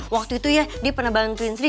waktu itu ya dia pernah bantuin sendiri